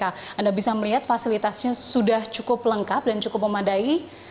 anda bisa melihat fasilitasnya sudah cukup lengkap dan cukup memadai